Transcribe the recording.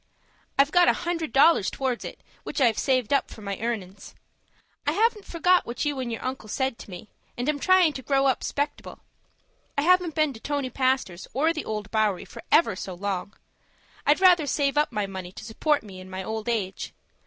I've got a hundred dollars towards it, which I've saved up from my earnin's. I haven't forgot what you and your uncle said to me, and I'm tryin' to grow up 'spectable. I haven't been to Tony Pastor's, or the Old Bowery, for ever so long. I'd rather save up my money to support me in my old age.